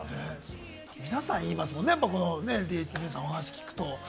皆さん言いますもんね、ＬＤＨの皆さんにお話を聞くと。